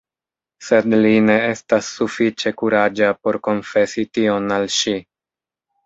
Sed li ne estas sufiĉe kuraĝa por konfesi tion al ŝi.